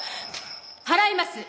払います！